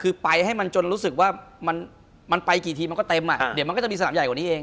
คือไปให้มันจนรู้สึกว่ามันไปกี่ทีมันก็เต็มอ่ะเดี๋ยวมันก็จะมีสนามใหญ่กว่านี้เอง